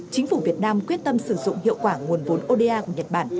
chính phủ việt nam quyết tâm sử dụng hiệu quả nguồn vốn oda của nhật bản